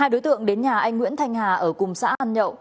hai đối tượng đến nhà anh nguyễn thanh hà ở cùng xã an nhậu